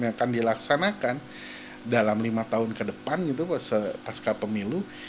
yang akan dilaksanakan dalam lima tahun ke depan gitu kok pasca pemilu